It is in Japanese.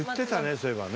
そういえばね。